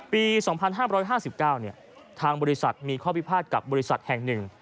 ปี๒๕๕๙ทางบริษัทมีข้อพิพาทกับบริษัทแห่งหนึ่ง